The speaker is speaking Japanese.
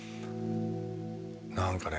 何かね